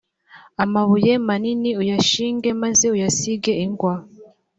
amabuye manini uyashinge, maze uyasige ingwa.